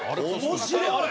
面白い！